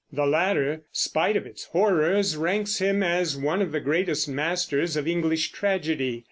The latter, spite of its horrors, ranks him as one of the greatest masters of English tragedy.